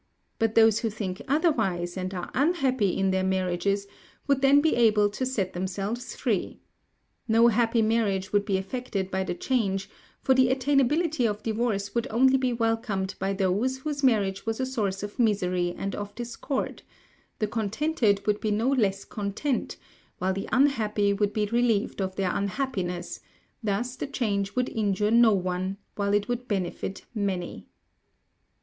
But those who think otherwise, and are unhappy in their marriages, would then be able to set themselves free. No happy marriage would be affected by the change, for the attainability of divorce would only be welcomed by those whose marriage was a source of misery and of discord; the contented would be no less content, while the unhappy would be relieved of their unhappiness; thus the change would injure no one, while it would benefit many.